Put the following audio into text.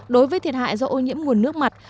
đối với thiệt hại do ô nhiễm nguồn nước mặt